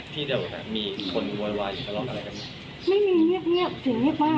ใช่เสียงเงียบปกติ